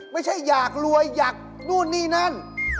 ไม่ใช่อยากรวยอยากนู่นนี่นั่น